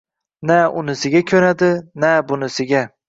Na unisiga ko'nadi, na bunisiga.